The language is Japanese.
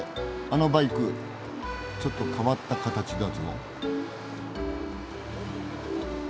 あのバイクちょっと変わった形だぞ。